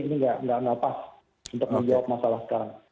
ini nggak pas untuk menjawab masalah sekarang